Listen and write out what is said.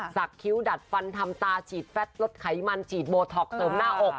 คิ้วดัดฟันทำตาฉีดแฟทลดไขมันฉีดโบท็อกเสริมหน้าอก